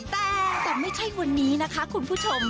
แต่แต่ไม่ใช่วันนี้นะคะคุณผู้ชม